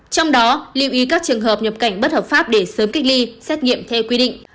trong đó lưu ý các trường hợp nhập cảnh bất hợp pháp để sớm cách ly xét nghiệm theo quy định